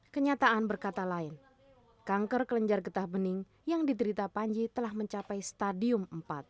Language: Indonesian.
kenyataan berkata lain kanker kelenjar getah bening yang diderita panji telah mencapai stadium empat